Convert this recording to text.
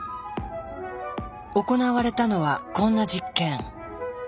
行われたのはこんな実験。